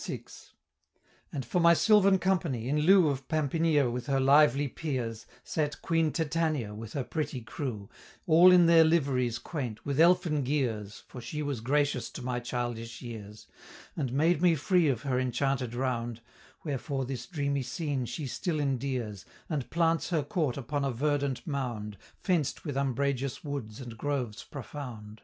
VI. And for my sylvan company, in lieu Of Pampinea with her lively peers, Sate Queen Titania with her pretty crew, All in their liveries quaint, with elfin gears, For she was gracious to my childish years, And made me free of her enchanted round; Wherefore this dreamy scene she still endears, And plants her court upon a verdant mound, Fenced with umbrageous woods and groves profound.